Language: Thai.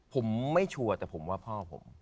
ผมไม่ชัวร์แต่ผมว่าพ่อผม